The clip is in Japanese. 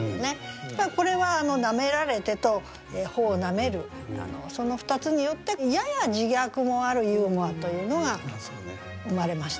これは「舐められて」と「頬舐める」その２つによってやや自虐もあるユーモアというのが生まれましたよね。